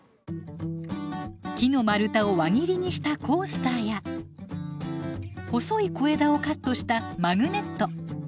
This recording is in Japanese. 木の丸太を輪切りにしたコースターや細い小枝をカットしたマグネット。